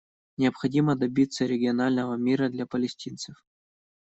Необходимо добиться регионального мира для палестинцев.